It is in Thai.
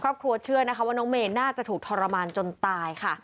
ครอบครัวเชื่อนะคะว่าน้องเมย์น่าจะถูกทรมานจนตายค่ะ